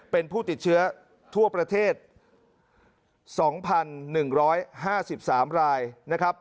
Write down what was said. เป็นผู้ติดเชื้อทั่วประเทศ๒๑๕๓รายนะครับ